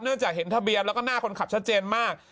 จากเห็นทะเบียนแล้วก็หน้าคนขับชัดเจนมาก